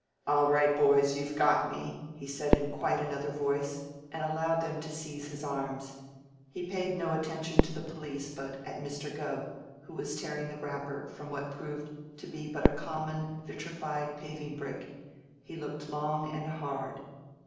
"All right, boys, you've got me," he said in quite another voice, and allowed them to seize his arms. He paid no attention to the police, but at Mr. Gubb, who was tearing the wrapper from what proved to be but a common vitrified paving brick, he looked long and hard.